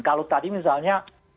kalau tadi misalnya